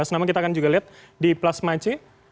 nama kita akan juga lihat di plasma c